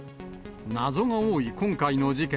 謎が多い今回の事件。